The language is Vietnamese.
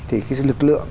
thì cái lực lượng